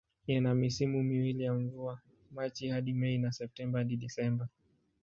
Ina misimu miwili ya mvua, Machi hadi Mei na Septemba hadi Disemba.